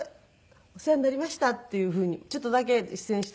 お世話になりました」っていうふうにちょっとだけ出演した事があるので。